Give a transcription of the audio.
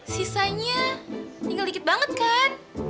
sisanya tinggal dikit banget kan